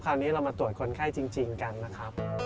คราวนี้เรามาตรวจคนไข้จริงกันนะครับ